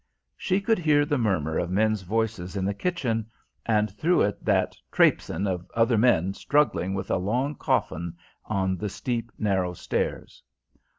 She could hear the murmur of men's voices in the kitchen, and through it that "trapsin'" of other men struggling with a long coffin on the steep narrow stairs.